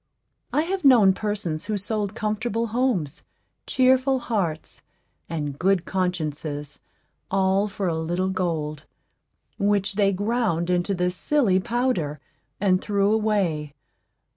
I have known persons who sold comfortable homes, cheerful hearts, and good consciences, all for a little gold, which they ground into this silly powder, and threw away.